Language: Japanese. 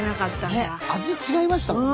ね味違いましたもんね。